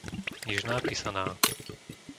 Nižná Pisaná